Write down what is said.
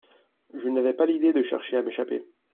Je n'avais pas l'idée de chercher à m'échapper.